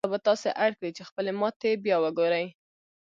دا به تاسې اړ کړي چې خپلې ماتې بيا وګورئ.